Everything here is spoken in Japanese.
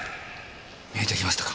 見えてきましたか？